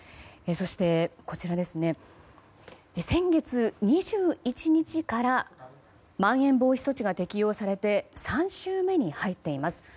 そして先月２１日からまん延防止措置が適用されて３週目に入っています。